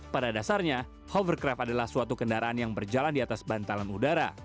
pada dasarnya hovercraft adalah suatu kendaraan yang berjalan di atas bantalan udara